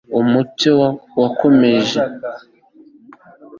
Umucyo wakomeje